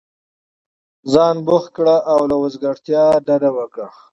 ځان بوخت كړه او له وزګارتیا ډډه وكره!